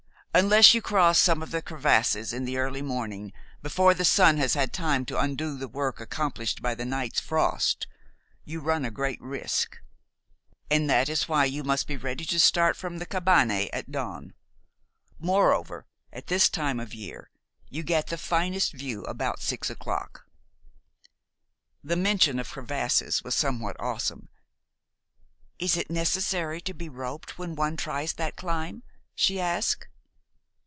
Unless you cross some of the crevasses in the early morning, before the sun has had time to undo the work accomplished by the night's frost, you run a great risk. And that is why you must be ready to start from the cabane at dawn. Moreover, at this time of year, you get the finest view about six o'clock." The mention of crevasses was somewhat awesome. "Is it necessary to be roped when one tries that climb?" she asked.